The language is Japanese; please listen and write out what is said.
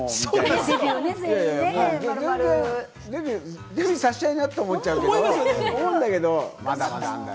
みたいな、全然デビューさしちゃいなって思っちゃうけれども、思うんだけれど、まだまだあるんだよな。